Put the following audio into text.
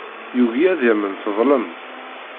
Yugi ad yamen teḍlem.